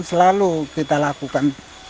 selalu kita lakukan